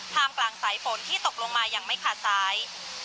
มกลางสายฝนที่ตกลงมาอย่างไม่ขาดสาย